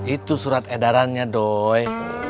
itu surat edarannya doi